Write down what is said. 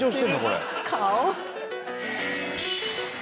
顔。